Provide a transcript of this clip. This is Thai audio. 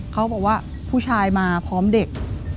เขาบอกว่าผู้ชายมาพร้อมเด็ก